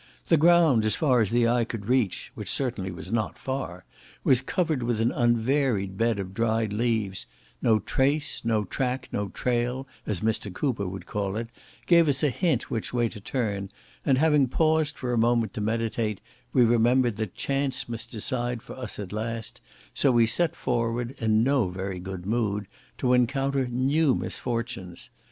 The ground, as far as the eye could reach (which certainly was not far), was covered with an unvaried bed of dried leaves; no trace, no track, no trail, as Mr. Cooper would call it, gave us a hint which way to turn; and having paused for a moment to meditate, we remembered that chance must decide for us at last, so we set forward, in no very good mood, to encounter new misfortunes.